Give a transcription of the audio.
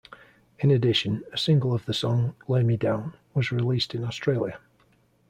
In addition, a single of the song "Lay Me Down" was released in Australia.